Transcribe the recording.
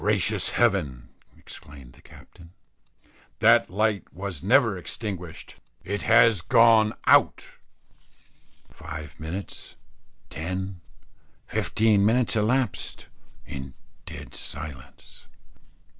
"Gracious heavens!" exclaimed the Captain, "that light was never extinguished: it has gone out." Five minutes, ten, fifteen minutes elapsed in dead silence.